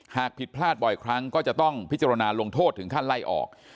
หากผิดพลาดบ่อยครั้งก็จะต้องพิจารณาลงโทษถึงขั้นไล่ออก